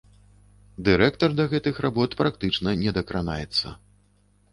Дырэктар да гэтых работ практычна не дакранаецца.